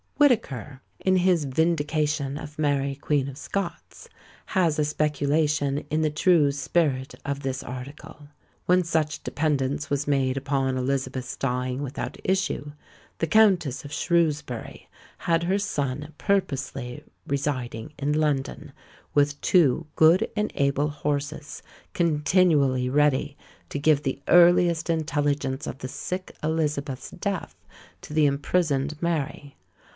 Whitaker, in his "Vindication of Mary Queen of Scots," has a speculation in the true spirit of this article. When such dependence was made upon Elizabeth's dying without issue, the Countess of Shrewsbury had her son purposely residing in London, with two good and able horses continually ready to give the earliest intelligence of the sick Elizabeth's death to the imprisoned Mary.